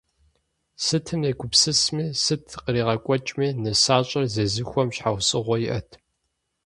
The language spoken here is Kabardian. Сытым егупсысми, сыт къригъэкӏуэкӏми, нысащӏэр зезыхуэм щхьэусыгъуэ иӏэт.